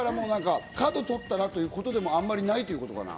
角とったらということでも、あまりないということかな？